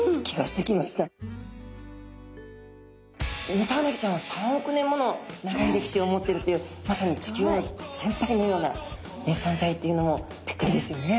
ヌタウナギちゃんは３億年もの長い歴史を持ってるっていうまさにちきゅうのせんぱいのようなそんざいっていうのもビックリですよね。